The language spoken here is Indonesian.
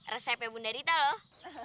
resepnya bunda rita loh